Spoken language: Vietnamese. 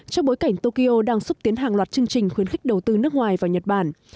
trong bối cảnh tokyo đang xúc tiến hàng loạt chương trình khuyến khích đầu tư nước ngoài vào nhật bản